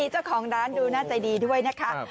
เจ้าของร้านดูน่าใจดีด้วยนะคะ